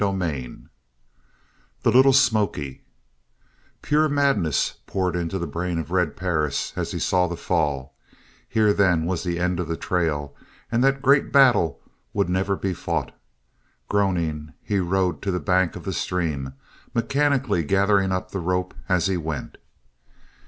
CHAPTER XXV THE LITTLE SMOKY Pure madness poured into the brain of Red Perris as he saw the fall. Here, then was the end of the trail, and that great battle would never be fought. Groaning he rode to the bank of the stream, mechanically gathering up the rope as he went.